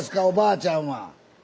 おばあちゃんは。